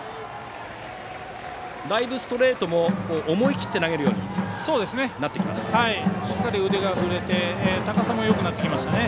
だいぶストレートも思い切って投げるようになってきましたね。